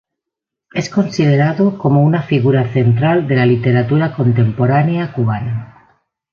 Es considerado como una figura central de la literatura contemporánea cubana.